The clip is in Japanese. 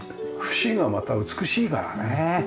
節がまた美しいからね。